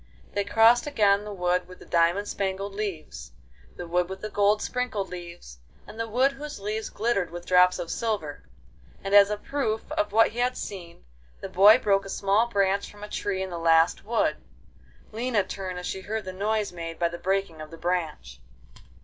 They crossed again the wood with the diamond spangled leaves, the wood with gold sprinkled leaves, and the wood whose leaves glittered with drops of silver, and as a proof of what he had seen, the boy broke a small branch from a tree in the last wood. Lina turned as she heard the noise made by the breaking of the branch.